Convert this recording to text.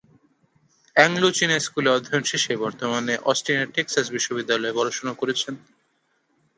অ্যাংলো-চীনা স্কুলে অধ্যয়ন শেষে বর্তমানে অস্টিনের টেক্সাস বিশ্ববিদ্যালয়ে পড়াশোনা করছেন।